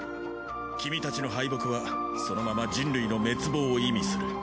君たちの敗北はそのまま人類の滅亡を意味する。